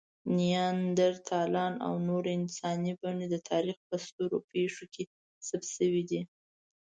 نیاندرتالان او نورې انساني بڼې د تاریخ په سترو پېښو کې ثبت شوي دي.